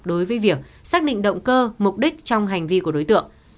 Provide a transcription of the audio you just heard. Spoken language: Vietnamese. đối với việc xác định động cơ mục đích trong hành vi của đối tượng